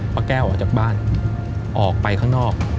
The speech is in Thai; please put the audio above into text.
พระแก้วออกจากบ้านออกไปข้างนอก